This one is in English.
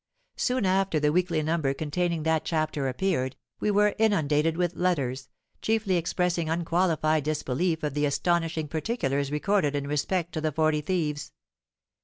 Soon after the Weekly Number containing that chapter appeared, we were inundated with letters, chiefly expressing unqualified disbelief of the astonishing particulars recorded in respect to the Forty Thieves.